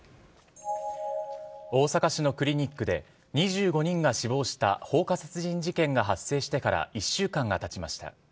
大阪市のクリニックで２５人が死亡した放火殺人事件が発生してから１週間がたちました。